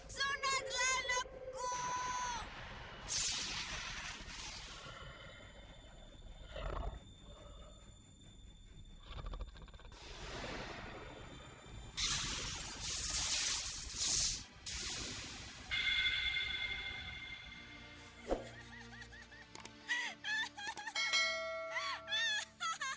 cari aja jangan berbicara